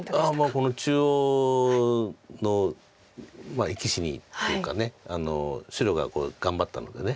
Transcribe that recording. ああこの中央の生き死にっていうか白が頑張ったので。